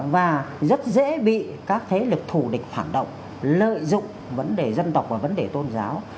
và rất dễ bị các thế lực thù địch phản động lợi dụng vấn đề dân tộc và vấn đề tôn giáo